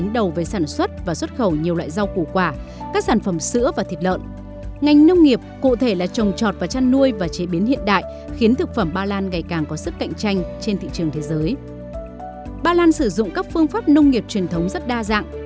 ba lan sử dụng các phương pháp nông nghiệp truyền thống rất đa dạng